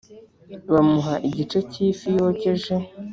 Bamuha igice cy ifi yokeje